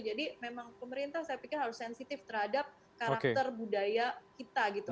jadi memang pemerintah saya pikir harus sensitif terhadap karakter budaya kita gitu